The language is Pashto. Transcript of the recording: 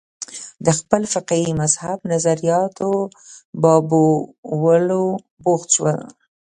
د خپل فقهي مذهب نظریاتو بابولو بوخت شول